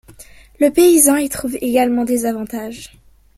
Le paysan y trouve également des avantages.